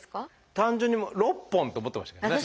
単純に６本って思ってましたけどね。